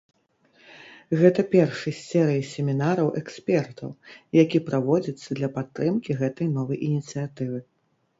Гэта першы з серыі семінараў экспертаў, які праводзіцца для падтрымкі гэтай новай ініцыятывы.